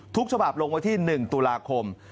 ทุกฉบับลงวันที่๑ตุลาคม